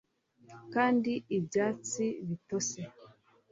Kandi ibyatsi bitose